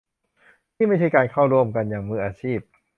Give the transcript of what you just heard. นี่ไม่ใช่การเข้าร่วมกันอย่างมืออาชีพ